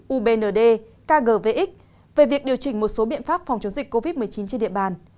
ba nghìn tám mươi bốn ubnd kgvx về việc điều chỉnh một số biện pháp phòng chống dịch covid một mươi chín trên địa bàn